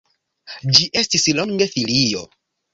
Ĝi estis longe filio.